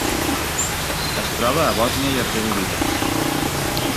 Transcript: Es troba a Bòsnia i Hercegovina.